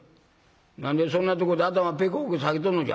何でそんなとこで頭ペコペコ下げとんのじゃ。